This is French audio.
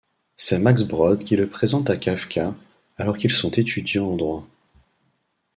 C'est Max Brod qui le présente à Kafka, alors qu'ils sont étudiants en droit.